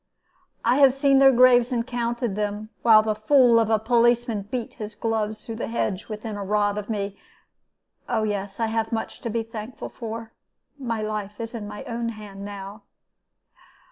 I have seen their graves and counted them, while the fool of a policeman beat his gloves through the hedge within a rod of me. Oh yes, I have much to be thankful for. My life is in my own hand now.'